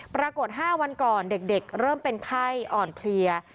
ปรากฏ๕วันก่อนเด็กเริ่มเป็นไข้อ่อนเพลีย